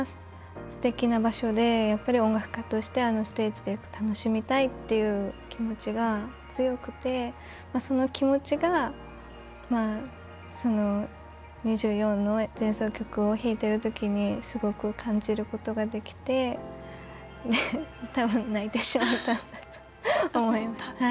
すてきな場所でやっぱり音楽家としてあのステージで楽しみたいという気持ちが強くてその気持ちが２４の前奏曲を弾いてるときにすごく感じることができてたぶん泣いてしまったんだと思います。